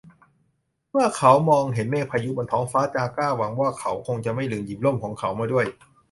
เมื่อเขามองเห็นเมฆพายุบนท้องฟ้า จาก้าหวังว่า เขาคงจะไม่ลืมหยิบร่มของเขามาด้วย